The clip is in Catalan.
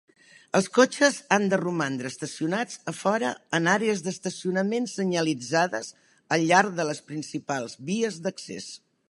Els cotxes han de romandre estacionats a fora en àrees d'estacionament senyalitzades al llarg de les principals vies d'accés.